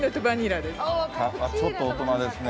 ちょっと大人ですね。